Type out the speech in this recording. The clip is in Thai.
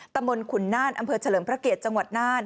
ตมขุนน่านอเฉลิมพระเกียร์จังหวัดน่าน